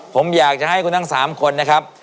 ผมอยากจะให้คุณทั้ง๓คนนะครับ